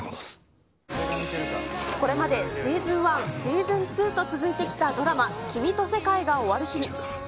これまでシーズン１、シーズン２と続いてきたドラマ、君と世界が終わる日に。